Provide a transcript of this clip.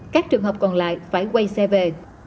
các trường hợp còn lại phải quay xe về